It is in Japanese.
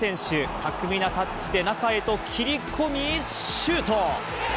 巧みなタッチで中へと切り込み、シュート。